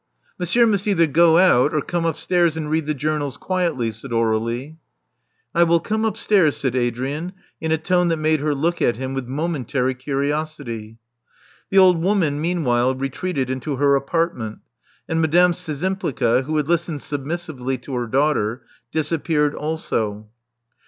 Monsieur must either go out, or come upstairs and read the journals quietly," said Aur^lie. *'I will come upstairs," said Adrian, in atone that made her look at him with momentary curiosity. The old woman meanwhile retreated into her apartment; and Madame Szczympliga, who had listened submis sively to her daughter, disappeared also.